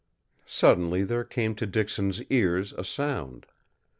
Suddenly there came to Dixon's ears a sound.